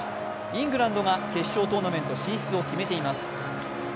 イングランドが決勝トーナメント進出を決めています。